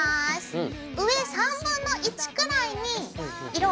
うん。